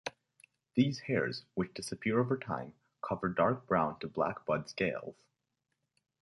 These hairs, which disappear over time, cover dark brown to black bud scales.